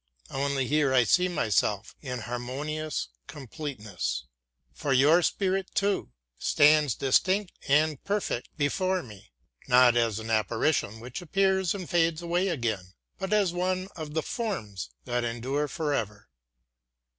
Only here I see myself in harmonious completeness. For your spirit, too, stands distinct and perfect before me, not as an apparition which appears and fades away again, but as one of the forms that endure forever.